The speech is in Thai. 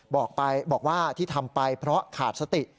บอกไปบอกว่าที่ทำไปเพราะขาดสติ